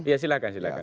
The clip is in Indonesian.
iya silahkan silahkan